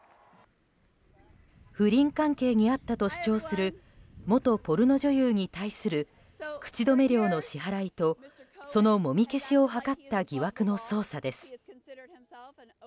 不倫関係にあったと主張する元ポルノ女優に対する口止め料の支払いとそのもみ消しを図った疑惑の捜査です。